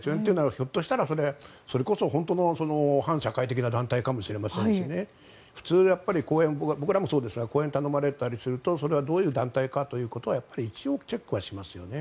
ひょっとしたら本当の反社会的な団体かもしれませんし普通、僕らもそうですが講演を頼まれたりするとそれはどういう団体かとは一応、チェックしますよね。